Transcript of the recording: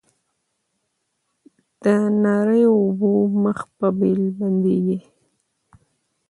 د نریو اوبو مخ په بېل بندیږي